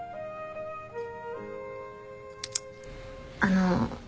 あの。